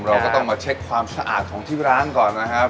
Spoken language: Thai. เราก็ต้องมาเช็คความสะอาดของที่ร้านก่อนนะครับ